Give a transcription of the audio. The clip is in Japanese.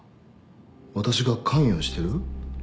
私が関与してる？